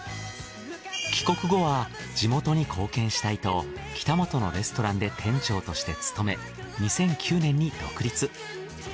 帰国後は地元に貢献したいと北本のレストランで店長として勤め２００９年に独立。